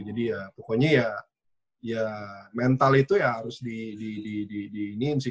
jadi ya pokoknya ya mental itu ya harus di need sih